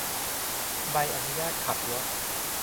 ใบอนุญาตขับรถ